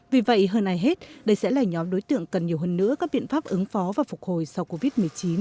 vì vậy hơn ai hết đây sẽ là nhóm đối tượng cần nhiều hơn nữa các biện pháp ứng phó và phục hồi sau covid một mươi chín